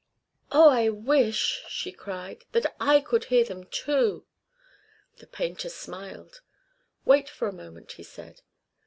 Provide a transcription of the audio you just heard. "Oh, I wish," she cried, "that I could hear them too." The painter smiled. "Wait for a moment," he said.